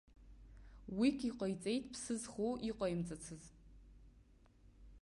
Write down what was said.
Уик иҟаиҵеит ԥсы зхоу иҟаимҵацыз!